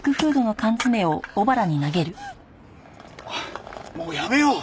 おいもうやめよう！